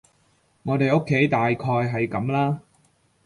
我哋屋企大概係噉啦